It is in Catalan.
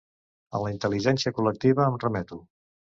A la intel·ligència col·lectiva em remeto.